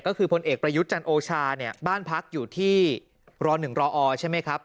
ก็คือพลเอกประยุทธ์จันโอชาเนี่ยบ้านพักอยู่ที่ร๑รอใช่ไหมครับ